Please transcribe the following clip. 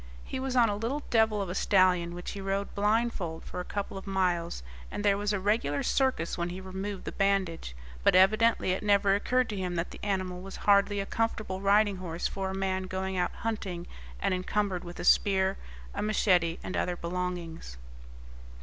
He was on a little devil of a stallion, which he rode blindfold for a couple of miles, and there was a regular circus when he removed the bandage; but evidently it never occurred to him that the animal was hardly a comfortable riding horse for a man going out hunting and encumbered with a spear, a machete, and other belongings.